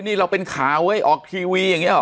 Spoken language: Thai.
นี่เราเป็นข่าวไว้ออกทีวีอย่างนี้หรอ